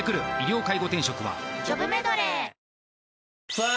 さあ